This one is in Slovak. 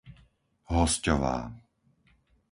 Hosťová